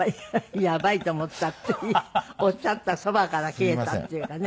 やばいと思ったっておっしゃったそばから切れたっていうかね。